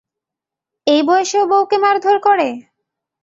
এই বয়সেও বউকে মারধর করে?